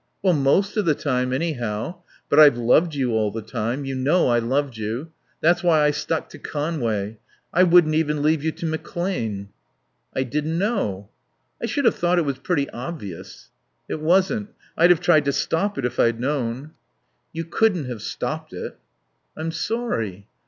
"Well, most of the time, anyhow. But I've loved you all the time. You know I loved you. That was why I stuck to Conway. I couldn't leave you to him. I wouldn't even leave you to McClane." "I didn't know." "I should have thought it was pretty, obvious." "It wasn't. I'd have tried to stop it if I'd known." "You couldn't have stopped it." "I'm sorry."